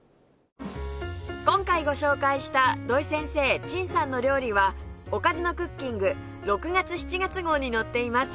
今回ご紹介した土井先生陳さんの料理は『おかずのクッキング』６月７月号に載っています